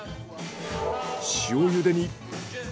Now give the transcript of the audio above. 塩茹でに。